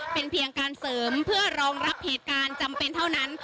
เป็นเพียงการเสริมเพื่อรองรับเหตุการณ์จำเป็นเท่านั้น